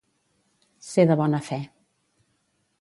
Ser de bona fe.